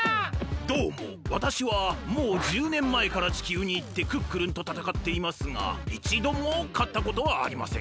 どうもわたしはもう１０年前から地球にいってクックルンとたたかっていますがいちどもかったことはありません。